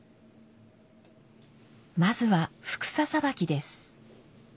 まずは帛紗さばきです。